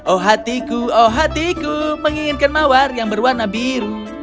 oh hatiku oh hatiku menginginkan mawar yang berwarna biru